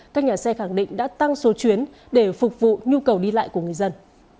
các nhà xe khẳng định đã tăng số chuyến để phục vụ nhu cầu đi lại của người dân